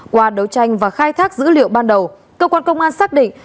qua đấu tranh và khai thác dữ liệu ban đầu cơ quan công an xác định